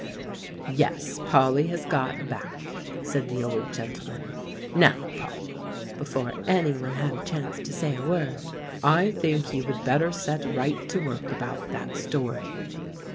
"Yes, Polly has got back," said the old gentleman. "Now, Polly," before any one had a chance to say a word, "I think you would better set right to work about that story."